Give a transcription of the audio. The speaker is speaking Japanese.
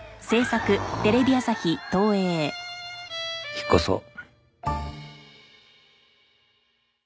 引っ越そう。